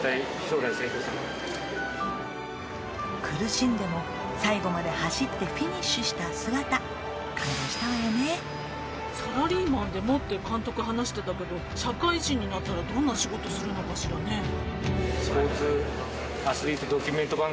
苦しんでも最後まで走ってフィニッシュした姿感動したわよね「サラリーマンでも」って監督話してたけど社会人になったらどんな仕事するのかしらね？